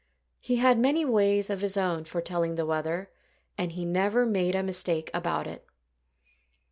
He had many ways of his own for telling the weather; and he never made a mistake about it.